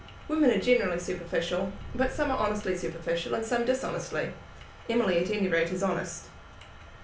Women are generally superficial, but some are honestly superficial and some dishonestly. Emily at any rate is honest."